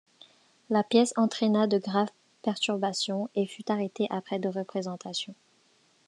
La pièce entraîna de graves perturbations et fut arrêtée après deux représentations.